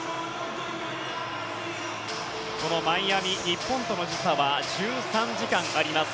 このマイアミ、日本との時差は１３時間あります。